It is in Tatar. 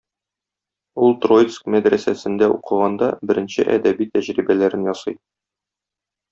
Ул Троицк мәдрәсәсендә укыганда беренче әдәби тәҗрибәләрен ясый.